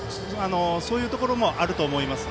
そういうところもあると思います。